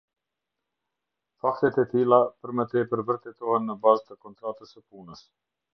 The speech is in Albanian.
Faktet e tilla, për më tepër vërtetohen në bazë të kontratës së punës.